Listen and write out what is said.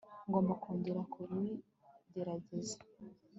ngomba kongera kubigerageza